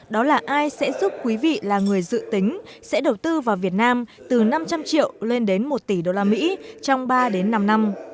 đó là ai sẽ giúp quý vị là người dự tính sẽ đầu tư vào việt nam từ năm trăm linh triệu lên đến một tỷ usd trong ba đến năm năm